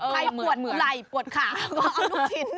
ปวดไหล่ปวดขาก็เอาลูกชิ้น